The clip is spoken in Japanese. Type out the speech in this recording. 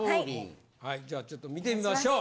はいじゃあちょっと見てみましょう。